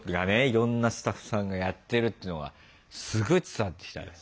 いろんなスタッフさんがやってるっていうのがすごい伝わってきたね。